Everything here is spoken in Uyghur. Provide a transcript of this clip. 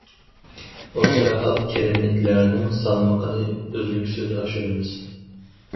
ئوتتۇرا ھال كىرىملىكلەرنىڭ سالمىقىنى ئۈزلۈكسىز ئاشۇرىمىز.